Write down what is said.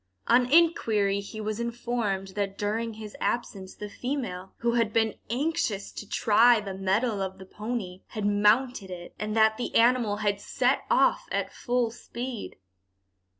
On inquiry he was informed that during his absence the female, who had been anxious to try the mettle of the pony, had mounted it, and that the animal had set off at full speed.